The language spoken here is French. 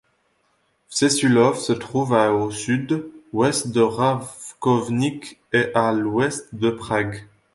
Všesulov se trouve à au sud-ouest de Rakovník et à à l'ouest de Prague.